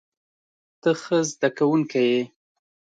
ته ښه زده کوونکی یې.